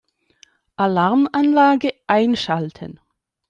Alarmanlage einschalten.